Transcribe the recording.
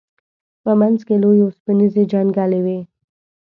په منځ کې لوی اوسپنیزې جنګلې وې.